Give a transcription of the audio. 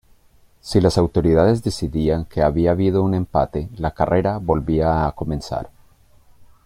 Si las autoridades decidían que había habido un empate, la carrera volvía a comenzar.